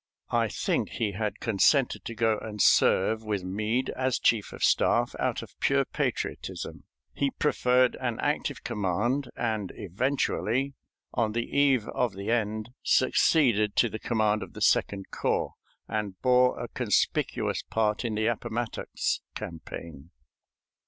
I think he had consented to go and serve with Meade as chief of staff out of pure patriotism. He preferred an active command, and eventually, on the eve of the end, succeeded to the command of the Second Corps, and bore a conspicuous part in the Appomattox campaign.